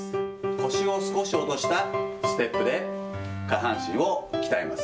腰を少し落としたステップで、下半身を鍛えます。